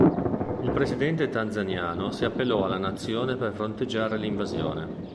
Il presidente tanzaniano si appellò alla nazione per fronteggiare l'invasione.